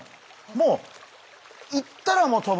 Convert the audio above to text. もう行ったらもうとぶ。